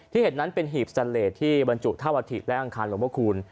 เห็นนั้นเป็นหีบสตันเลสที่บรรจุท่าวัฐิและอังคารหลวงพระคูณ